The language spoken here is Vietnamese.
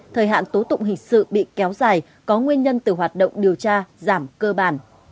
thời hạn tố tụng hình sự bị kéo dài có nguyên nhân từ hoạt động điều tra giảm cơ bản